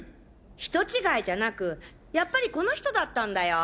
人違いじゃなくやっぱりこの人だったんだよ。